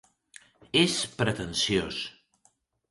És pretensiós.